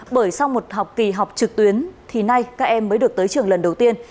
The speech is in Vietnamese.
bởi sau một học kỳ học trực tuyến thì nay các em mới được tới trường lần đầu tiên